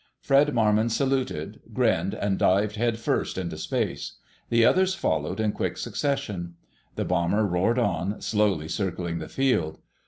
Fred Marmon saluted, grinned, and dived headfirst into space. The others followed in quick succession. The bomber roared on, slowly circling the field.